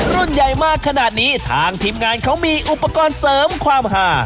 รุ่นใหญ่มากขนาดนี้ทางทีมงานเขามีอุปกรณ์เสริมความหา